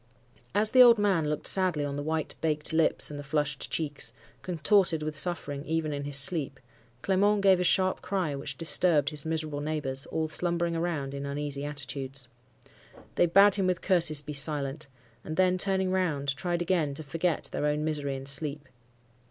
As the old man looked sadly on the white, baked lips, and the flushed cheeks, contorted with suffering even in his sleep, Clement gave a sharp cry which disturbed his miserable neighbours, all slumbering around in uneasy attitudes. They bade him with curses be silent; and then turning round, tried again to forget their own misery in sleep.